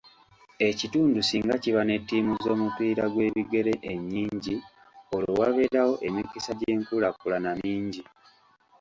Ekitundu singa kiba ne ttiimu z'omupiira gw'ebigere ennyingi, olwo wabeerawo emikisa gy'enkulaakulana mingi.